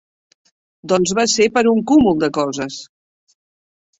Doncs va ser per un cúmul de coses.